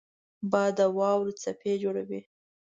باد د واورو څپې جوړوي